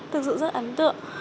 thực sự rất ấn tượng